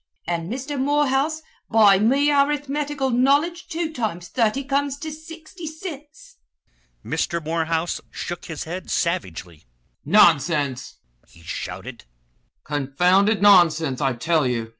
An' Mister Morehouse, by me arithmetical knowledge two times thurty comes to sixty cints." Mr. Morehouse shook his head savagely. "Nonsense!" he shouted, "confounded nonsense, I tell you!